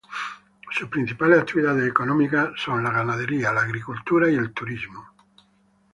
Sus principales actividades económicas son la ganadería, la agricultura y el turismo.